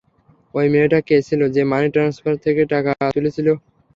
ওই মেয়েটা কে ছিল যে মানি ট্রান্সফার থেকে টাকা তুলেছিল?